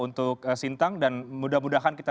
untuk sintang dan mudah mudahan kita